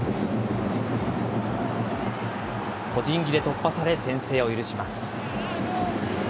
個人技で突破され、先制を許します。